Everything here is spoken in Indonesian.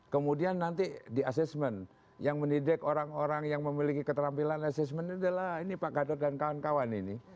kemudian nanti di assessment yang mendidik orang orang yang memiliki keterampilan assessment ini adalah ini pak gadot dan kawan kawan ini